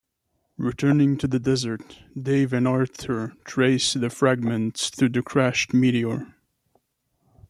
Returning to the desert, Dave and Arthur trace the fragments to the crashed meteor.